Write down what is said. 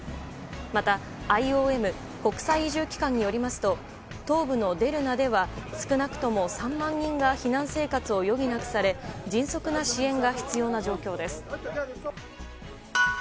またＩＯＭ・国際移住機関によりますと東部のデルナでは少なくとも３万人が避難生活を余儀なくされ迅速な支援が必要な状況です。